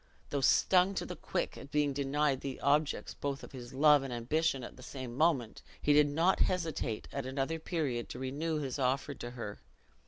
Though stung to the quick at being denied the objects both of his love and ambition at the same moment, he did not hesitate at another period to renew his offer to her.